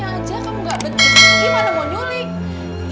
makannya aja kamu gak betul betul gimana mau nyulik